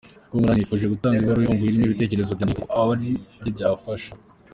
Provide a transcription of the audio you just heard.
com, nanjye nifuje gutanga ibaruwa ifunguye irimo ibitekerezo byanjye nkeka ko hari abo byafasha.